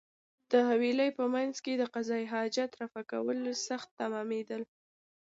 د حویلۍ په مېنځ کې د قضای حاجت رفع کول سخت تمامېدل.